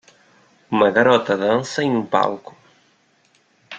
Uma garota dança em um palco.